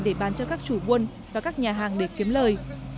để bán cho các chủ buôn và các nhà hàng để kiếm lời